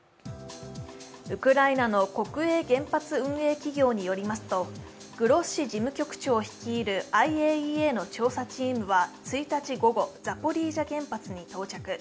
ウクライナの国営原発運営企業によりますとグロッシ事務局長率いるＩＡＥＡの調査チームは１日午後、ザポリージャ原発に到着。